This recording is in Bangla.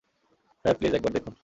স্যার, প্লিজ একবার দেখুন।